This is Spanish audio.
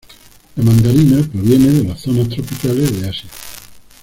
La mandarina proviene de las zonas tropicales de Asia.